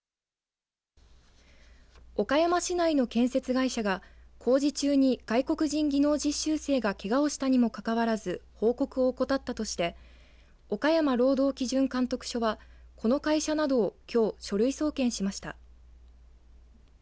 岡山市内の建設会社が工事中に外国人技能実習生がけがをしたにもかかわらず報告を怠ったとして岡山労働基準監督署はこの会社などをきょう、書類送検しました。